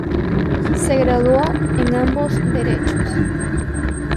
Se graduó en ambos derechos.